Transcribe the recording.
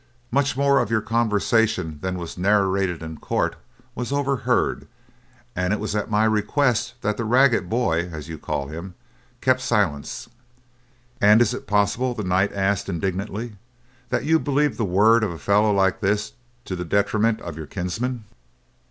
Much more of your conversation than was narrated in court was overheard, and it was at my request that the ragged boy, as you call him, kept silence." "And is it possible," the knight asked indignantly, "that you believed the word of a fellow like this to the detriment to your kinsman?